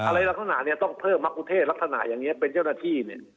อะไรละขนาดนี้ต้องเพิ่มมะกูเทศลักษณะอย่างนี้เป็นเจ้าหน้าที่